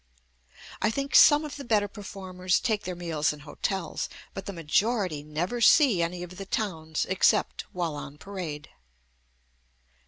I think some of the better performers take their meals in hotels, but the majority never see any of the towns except while on parade.